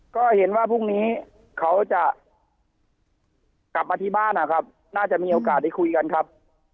ก็เห็นว่าพรุ่งนี้เขาจะกลับมาที่บ้านนะครับน่าจะมีโอกาสได้คุยกันครับ